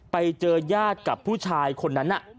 ไปเจอญาติกับผู้ชายคนนั้น